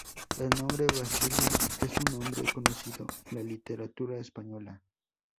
El nombre Basilio es un nombre conocido en la literatura española.